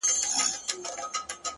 چي كورنۍ يې،